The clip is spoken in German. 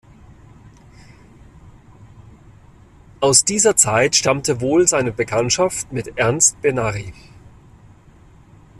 Aus dieser Zeit stammte wohl seine Bekanntschaft mit Ernst Benary.